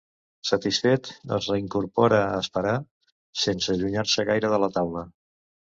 Satisfet, es reincorpora a esperar, sense allunyar-se gaire de la taula.